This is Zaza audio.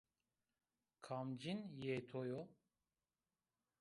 Kamcîn yê to yo?